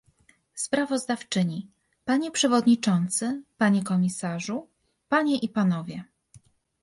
sprawozdawczyni - Panie przewodniczący, panie komisarzu, panie i panowie